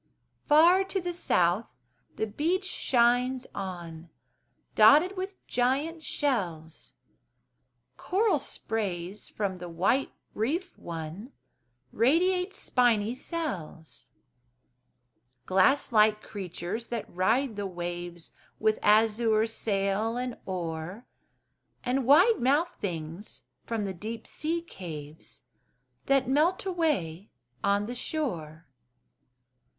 Far to the south the beach shines on, Dotted with giant shells; Coral sprays from the white reef won, Radiate spiny cells; Glass like creatures that ride the waves, With azure sail and oar, And wide mouthed things from the deep sea caves That melt away on the shore.